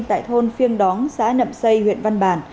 tại thôn phiêng đóng xã nậm xây huyện văn bàn